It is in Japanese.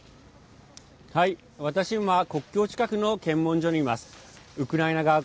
私は今国境近くの検問所にいます。